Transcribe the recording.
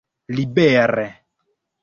libere